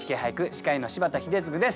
司会の柴田英嗣です。